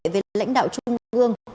về lãnh đạo trung ương